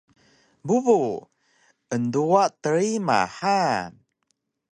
Bubu: Enduwa trima ha!